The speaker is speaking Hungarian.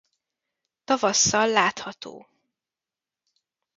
Tavasszal látható.